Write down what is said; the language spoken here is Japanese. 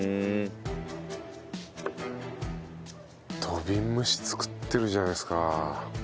土瓶蒸し作ってるじゃないですか。